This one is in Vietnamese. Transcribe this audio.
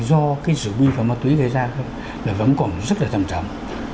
do cái rượu bia và ma túy gây ra là vẫn còn rất là trầm trầm